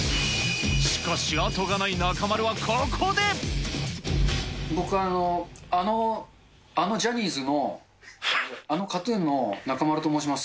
しかし後がない中丸は、僕、あの、あのジャニーズの、あのＫＡＴーＴＵＮの中丸と申します。